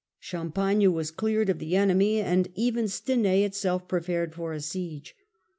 Champagne was cleared of the enemy, and even Stenai itself prepared for a siege.